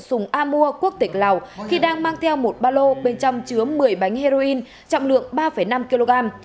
sùng a mua quốc tịch lào khi đang mang theo một ba lô bên trong chứa một mươi bánh heroin trọng lượng ba năm kg